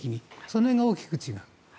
その辺が大きく違う。